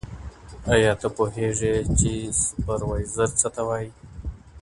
ایا ته پوهیږې چي سپروایزر څه ته وایي؟